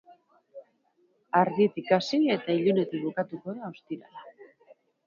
Argitik hasi eta ilunetik bukatuko da ostirala.